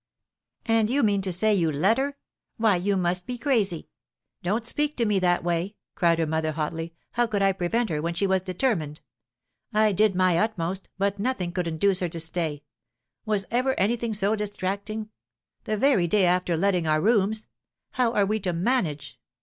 "And you mean to say you let her? Why, you must be crazy!" "Don't speak to me in that way!" cried her mother, hotly. "How could I prevent her, when she was determined? I did my utmost, but nothing could induce her to stay. Was ever anything so distracting? The very day after letting our rooms! How are we to manage?"